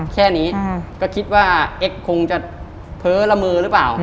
แค่นี้ก็คิดว่าเอ็กซคงจะเพ้อละมือหรือเปล่า